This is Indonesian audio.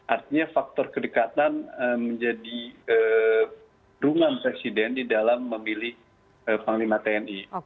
artinya faktor kedekatan menjadi rungan presiden di dalam memilih panglima tni